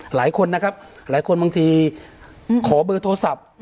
หลายคนนะครับหลายคนบางทีขอเบอร์โทรศัพท์